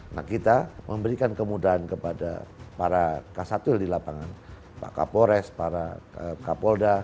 nah kita memberikan kemudahan kepada para kasatul di lapangan pak kapolres para kapolda